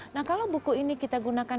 nah kalau buku ini kita gunakan